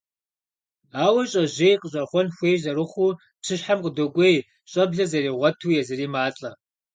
Ауэ щӀэжьей къыщӀэхъуэн хуей зэрыхъуу, псыщхьэм къыдокӀуей, щӀэблэ зэригъуэту езыри малӀэ.